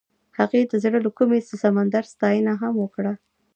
هغې د زړه له کومې د سمندر ستاینه هم وکړه.